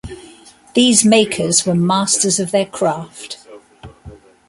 These makers were masters of their craft.